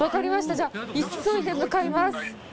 じゃ、急いで向かいます。